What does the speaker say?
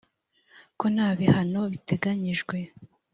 ko nta bihano biteganyijwe?